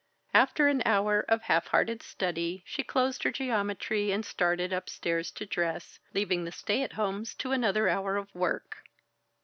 After an hour of half hearted study, she closed her geometry, and started upstairs to dress, leaving the stay at homes to another hour of work.